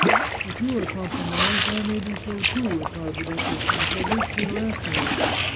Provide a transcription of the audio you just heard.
" If you are compromised I may be so too," replied the duchess, " and Fabrizio after me.